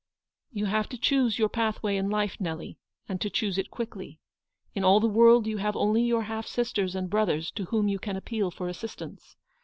"You have to choose your pathway in life, Nelly, and to choose it quickly. In all the world you have only your half sisters and brothers to whom you can appeal for assistance.